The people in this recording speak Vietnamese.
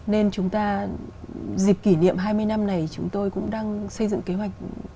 nên chúng ta dịp kỷ niệm hai mươi năm này chúng tôi cũng đang xây dựng kế hoạch